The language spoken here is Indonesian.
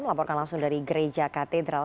melaporkan langsung dari gereja katedral